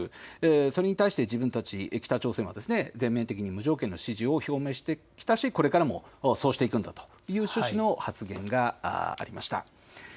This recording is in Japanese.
それに対して自分たち北朝鮮は全面的に無条件の支持を表明してきたし、これからも主張していくんだという趣旨の発言がありました。